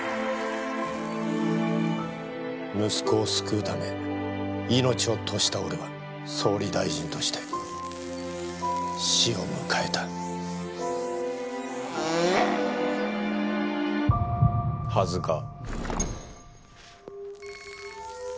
息子を救うため命を賭した俺は総理大臣として死を迎えたはずが？